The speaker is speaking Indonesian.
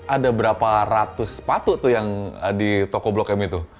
ada berapa ratus sepatu tuh yang di toko blok m itu